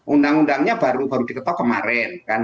undang undangnya baru diketok kemarin kan